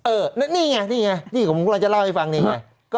นี่ไงนี่ไงนี่ผมกำลังจะเล่าให้ฟังนี่ไง